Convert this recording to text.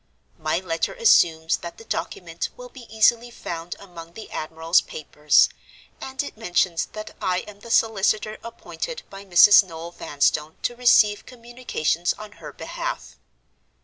My letter assumes that the document will be easily found among the admiral's papers; and it mentions that I am the solicitor appointed by Mrs. Noel Vanstone to receive communications on her behalf.